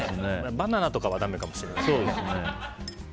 バナナとかはだめかもしれない。